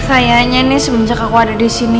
ayahnya nih semenjak aku ada disini